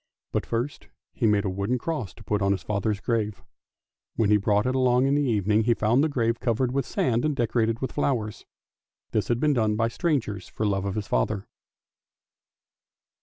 But first he made a wooden cross to put up on his father's grave; when he brought it along in the evening he found the grave covered with sand and decorated with flowers. This had been done by strangers for love of his father.